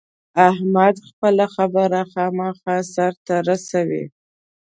احمد خپله خبره خامخا سر ته رسوي.